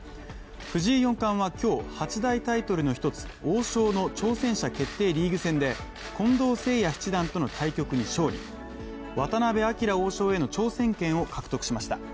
藤井４冠は今日、八大タイトルの一つ王将の挑戦者決定リーグ戦で近藤誠也７段との対局に勝利、渡辺明王将への挑戦権を獲得しました。